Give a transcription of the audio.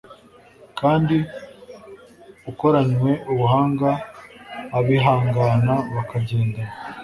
kandi ukoranywe ubuhanga Abihangana bakagendana